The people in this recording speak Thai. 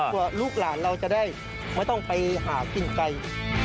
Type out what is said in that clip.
ลูกหลานเราจะได้ไม่ต้องไปหากินไกล